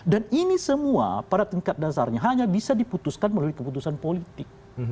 dan ini semua pada tingkat dasarnya hanya bisa diputuskan melalui keputusan politik